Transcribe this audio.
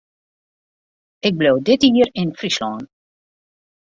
Ik bliuw dit jier yn Fryslân.